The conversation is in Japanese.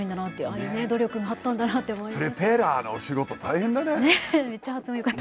ああいう努力もあったんだなって思います。